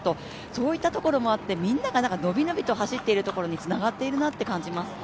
そういうこともあってみんながのびのびと走っているところにつながってると感じます。